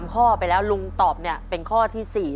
ข้อไปแล้วลุงตอบเนี่ยเป็นข้อที่๔